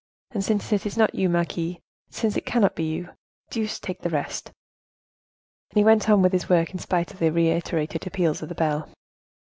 And since it is not you, marquise, since it cannot be you, deuce take the rest!" And he went on with his work in spite of the reiterated appeals of the bell.